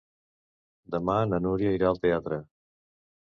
Demà na Núria irà al teatre.